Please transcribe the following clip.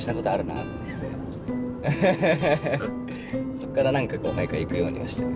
そっから何かこう毎回行くようにはしてる。